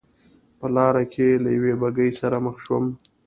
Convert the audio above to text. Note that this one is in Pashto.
په لار کې له یوې بګۍ سره مخ شوم.